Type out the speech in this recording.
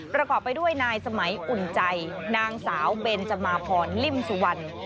ประกอบไปด้วยนายสมัยอุ่นใจนางสาวเบนจมาพรลิ่มสุวรรณ